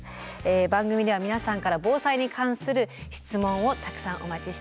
番組では皆さんから防災に関する質問をたくさんお待ちしております。